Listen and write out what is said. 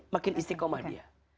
makin istiqomah dia